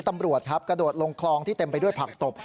ตำรวจครับกระโดดลงคลองที่เต็มไปด้วยผักตบ